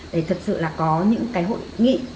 để thật sự là có những cái hội nghị